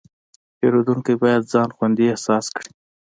پیرودونکی باید ځان خوندي احساس کړي.